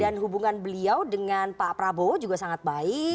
hubungan beliau dengan pak prabowo juga sangat baik